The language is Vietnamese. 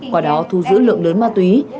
qua đó thu giữ lượng lớn ma túy